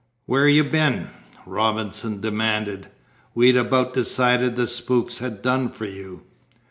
"Where you been?" Robinson demanded. "We'd about decided the spooks had done for you."